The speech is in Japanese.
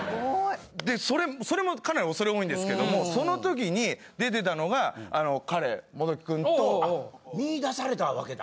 それそれもかなりおそれ多いんですけどもその時に出てたのが彼元木くんと。見出されたわけだ。